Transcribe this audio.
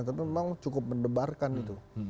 tapi memang cukup mendebarkan itu